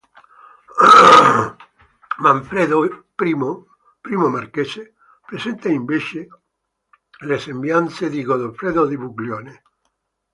Manfredo I, primo marchese, presenta invece le sembianze di Goffredo di Buglione.